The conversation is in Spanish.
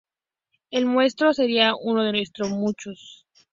El nuestro sería uno entre muchos.